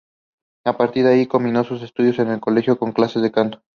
A partir de ahí, combinó sus estudios en el colegio con clases de canto.